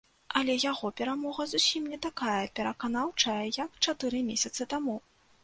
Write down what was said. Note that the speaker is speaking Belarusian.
Але яго перамога зусім не такая пераканаўчая, як чатыры месяцы таму.